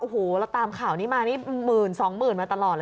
โอ้โหเราตามข่าวนี้มานี่หมื่นสองหมื่นมาตลอดเลย